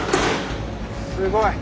すごい！